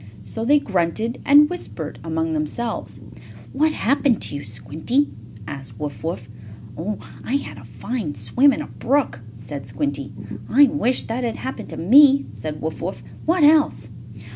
So they grunted and whispered among themselves. "What happened to you, Squinty?" asked Wuff Wuff. "Oh, I had a fine swim in a brook," said Squinty. "I wish that had happened to me," said Wuff Wuff. "What else?"